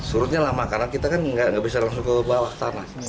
surutnya lama karena kita kan nggak bisa langsung ke bawah tanah